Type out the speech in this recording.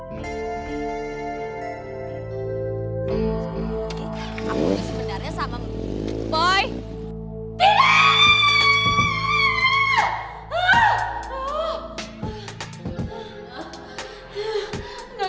aku sebenernya sama